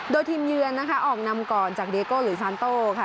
โดยทีมเยือนนะคะออกนำก่อนจากเดโก้หรือซานโต้ค่ะ